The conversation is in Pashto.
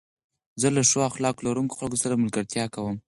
زه له ښو اخلاق لرونکو خلکو سره ملګرتيا کوم.